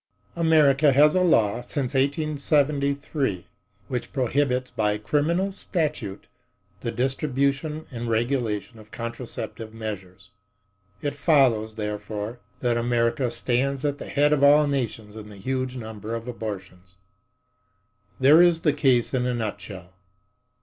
"America has a law since 1873 which prohibits by criminal statute the distribution and regulation of contraceptive measures. It follows, therefore, that America stands at the head of all nations in the huge number of abortions."There is the case in a nutshell.